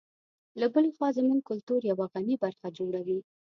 له بلې خوا زموږ کلتور یوه غني برخه جوړوي.